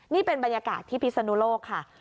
นี่เป็นบรรยากาศที่พิศนุโลกค่ะ